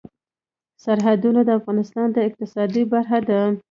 سرحدونه د افغانستان د اقتصاد برخه ده.